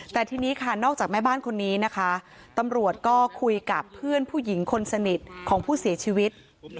แต่ทีนี้ค่ะนอกจากแม่บ้านคนนี้นะคะตำรวจก็คุยกับเพื่อนผู้หญิงคนสนิทของผู้เสียชีวิต